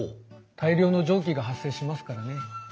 大量の蒸気が発生しますからね。